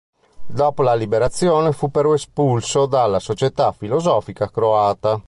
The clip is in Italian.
Dopo la liberazione fu però espulso dalla Società filosofica croata.